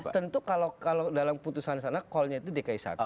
tentu kalau dalam putusan sana callnya itu dki satu